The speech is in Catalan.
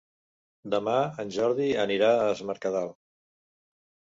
Demà en Jordi anirà a Es Mercadal.